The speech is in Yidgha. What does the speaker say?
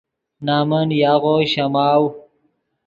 نَمن یاغو شَماؤ